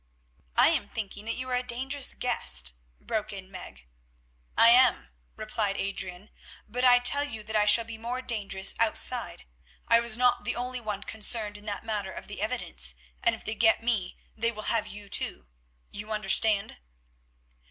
"I am thinking that you are a dangerous guest," broke in Meg. "I am," replied Adrian; "but I tell you that I shall be more dangerous outside. I was not the only one concerned in that matter of the evidence, and if they get me they will have you too. You understand?"